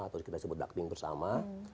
atau kita sebut ducting bersama